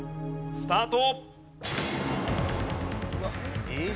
スタート！